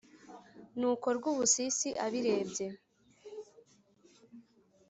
Nuko Rwubusisi abirebye,